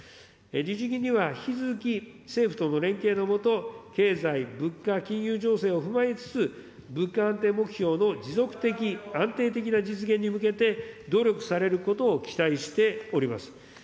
日銀には引き続き、政府との連携の下、経済、物価、金融情勢を踏まえつつ、物価安定目標の持続的、安定的な実現に向けて、努力されることを期待しております。